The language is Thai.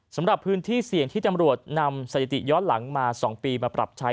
สำหรับพื้นที่เสี่ยงที่ตำรวจนำสถิติย้อนหลังมา๒ปีมาปรับใช้